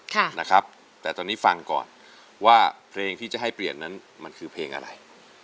ค่ะนะครับแต่ตอนนี้ฟังก่อนว่าเพลงที่จะให้เปลี่ยนนั้นมันคือเพลงอะไร